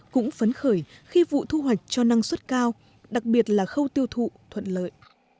cũng phấn khởi khi vụ thu hoạch cho năng suất cao đặc biệt là khâu tiêu thụ thuận lợi